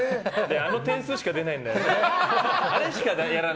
あの点数しか出ないんだよね。